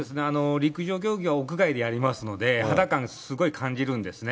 陸上競技は屋外でやりますので、肌感、すごい感じるんですね。